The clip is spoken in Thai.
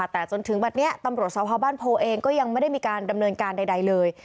แต่จนถึงบัตรนี้ตำรวจสพบ้านโพเองก็ยังไม่ได้มีการดำเนินการใดเลย